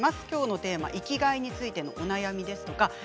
きょうのテーマ、生きがいについてのお悩みですとか